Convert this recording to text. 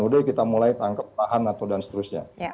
udah kita mulai tangkep tahan atau dan seterusnya